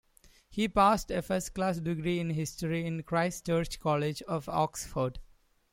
He passed a First Class Degree in History in Christ Church College of Oxford.